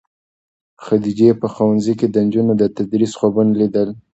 خدیجې په ښوونځي کې د نجونو د تدریس خوبونه لیدل.